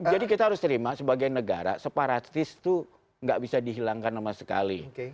jadi kita harus terima sebagai negara separatis itu nggak bisa dihilangkan sama sekali